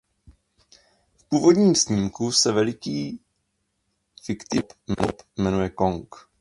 V původním snímku se velký fiktivní op jmenuje Kong.